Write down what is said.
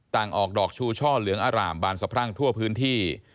ออกดอกชูช่อเหลืองอร่ามบานสะพรั่งทั่วพื้นที่